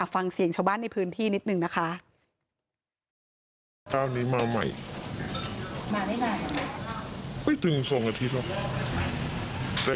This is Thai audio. ฟังเสียงชาวบ้านในพื้นที่นิดนึงนะคะ